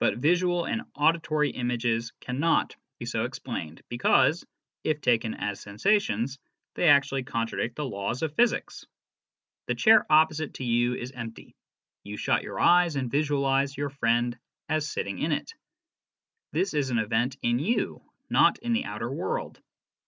But visual and auditory images cannot be so explained, because, if taken as sensations, they actually contradict the laws of physics. The chair opposite to you is empty ; you shut your eyes and visualise your friend as sitting in it. This is an event in you, not in the outer world.